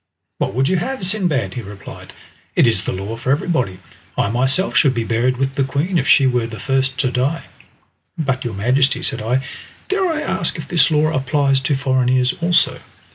"What would you have, Sindbad?" he replied. "It is the law for everybody. I myself should be buried with the Queen if she were the first to die." "But, your Majesty," said I, "dare I ask if this law applies to foreigners also?"